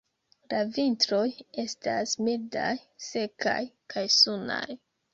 La vintroj estas mildaj, sekaj kaj sunaj.